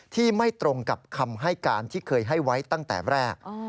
ไม่ตรงกับคำให้การที่เคยให้ไว้ตั้งแต่แรก